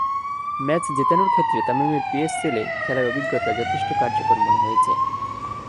Match জেতানোর ক্ষেত্রে তামিমের পিএসএলে খেলার অভিজ্ঞতা যথেষ্ট কার্যকর মনে হয়েছে।